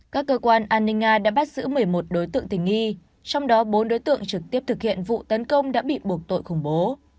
các cơ quan an ninh nga đã bắt giữ một mươi một đối tượng tình nghi trong đó bốn đối tượng trực tiếp thực hiện vụ tấn công đã bị buộc tội khủng bố